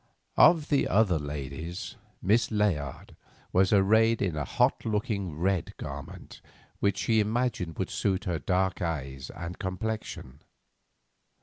Of the other ladies present, Miss Layard was arrayed in a hot looking red garment, which she imagined would suit her dark eyes and complexion.